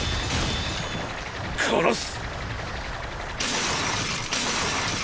殺す！